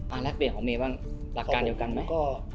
แลกเปลี่ยนของเมย์บ้างหลักการเดียวกันไหม